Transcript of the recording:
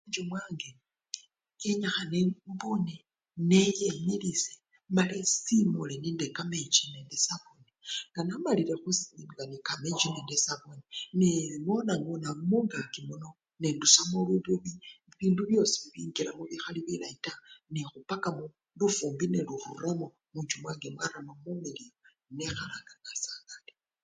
Munjju mwange nenyikhana embune neye mala esiimule nekamechi nesabuni, nga namalile khusimula ne kamechi nende sabuni, nengonangona mungaki muno nendushamo lububi, bindu byosii bibingilamo bikhali bilayi taa nekhupaka lufumbi neruramo munjju mwange mwarama mumiliyu, nekhala nga nasangalile.